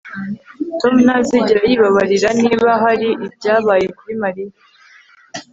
Tom ntazigera yibabarira niba hari ibyabaye kuri Mariya